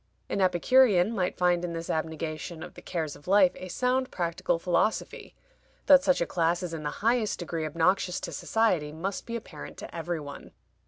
An Epicurean might find in this abnegation of the cares of life a sound practical philosophy. That such a class is in the highest degree obnoxious to society must be apparent to every one.